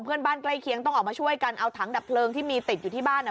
ใกล้เคียงต้องออกมาช่วยกันเอาถังดับเพลิงที่มีติดอยู่ที่บ้านอ่ะ